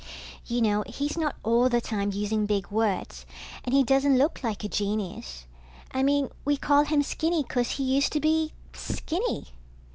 You know, he's not all the time using big words, and he doesn't look like a genius. I mean, we call him Skinny 'cause he used to be Skinny.